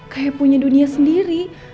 kayak punya dunia sendiri